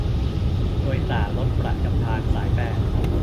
โดยสารรถประจำทางสายแปด